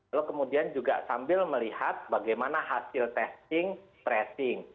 lalu kemudian juga sambil melihat bagaimana hasil testing tracing